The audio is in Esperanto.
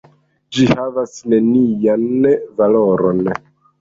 Ĝi havas nenian valoron.